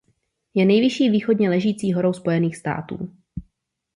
Je nejvyšší východně ležící horou Spojených států.